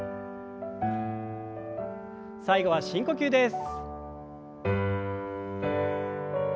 最後は深呼吸です。